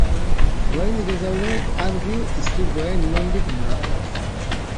Oraindik ez daude argi istripuaren nondik norakoak.